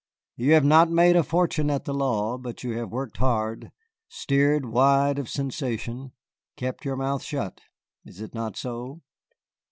You have not made a fortune at the law, but you have worked hard, steered wide of sensation, kept your mouth shut. Is it not so?"